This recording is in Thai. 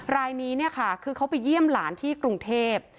รายนี้เนี่ยค่ะคือเขาไปเยี่ยมหลานที่กรุงเทพ